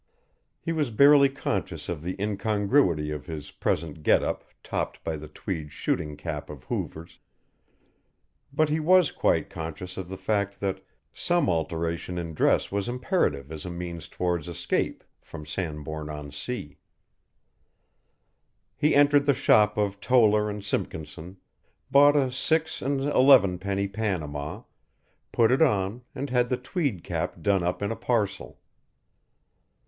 He was barely conscious of the incongruity of his present get up topped by the tweed shooting cap of Hoover's, but he was quite conscious of the fact that some alteration in dress was imperative as a means towards escape from Sandbourne on Sea. He entered the shop of Towler and Simpkinson, bought a six and elevenpenny panama, put it on and had the tweed cap done up in a parcel.